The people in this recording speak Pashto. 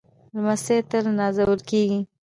لمسی تل نازول کېږي.